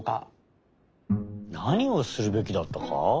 なにをするべきだったか？